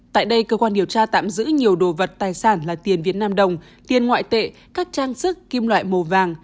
tại đây cơ quan điều tra tạm giữ nhiều đồ vật tài sản là tiền việt nam đồng tiền ngoại tệ các trang sức kim loại màu vàng